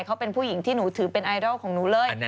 เขาเป็นผู้หญิงที่หนูถือเป็นไอดอลของหนูเลย